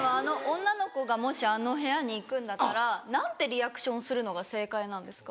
女の子がもしあの部屋に行くんだったら何てリアクションするのが正解なんですか？